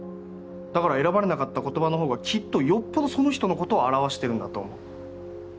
だから選ばれなかった言葉の方がきっとよっぽどその人のことを表してるんだと思う。